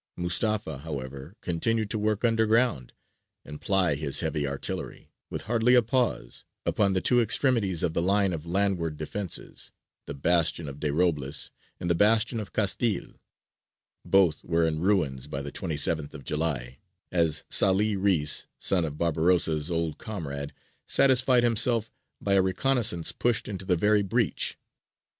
Mustafa, however, continued to work underground and ply his heavy artillery, with hardly a pause, upon the two extremities of the line of landward defences the Bastion of De Robles, and the Bastion of Castile: both were in ruins by the 27th of July, as Sālih Reïs, son of Barbarossa's old comrade, satisfied himself by a reconnaissance pushed into the very breach.